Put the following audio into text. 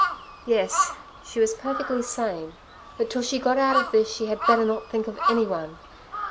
Yes, she was perfectly sane, but till she got out of this she had better not think of anyone.